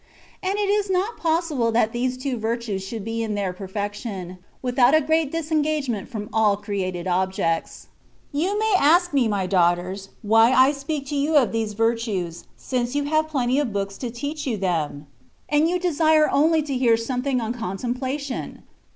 And it is not possible that these two virtues should be in their perfection, without a great disengagement from all created objects. You may ask me, my daughters, why I speak to you of these virtues, since you have plenty of books to teach you them ? and you desire only to hear something on contemplation.